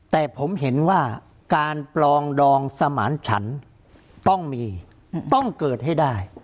แต่ผมเห็นว่าการปลองดองสมานฉันต้องมีต้องเกิดให้ได้